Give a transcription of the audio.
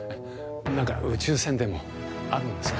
なんか宇宙船でもあるんですか？